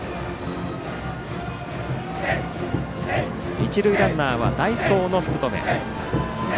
一塁ランナーは代走の福留。